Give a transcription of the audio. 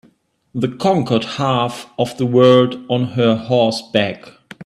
The conquered half of the world on her horse's back.